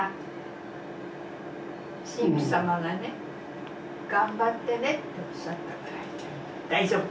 神父様がね頑張ってねっておっしゃったから大丈夫。